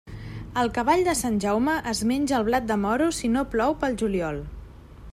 El cavall de Sant Jaume es menja el blat de moro si no plou pel juliol.